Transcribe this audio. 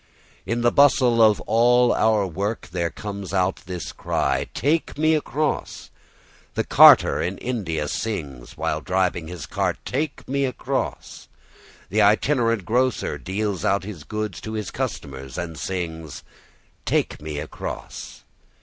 In the bustle of all our work there comes out this cry, "Take me across." The carter in India sings while driving his cart, "Take me across." The itinerant grocer deals out his goods to his customers and sings, "Take me across".